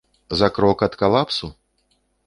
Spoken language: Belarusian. За крок ад калапсу?